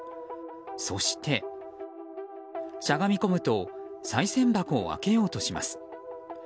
そして、しゃがみ込むとさい銭箱を開けようとします。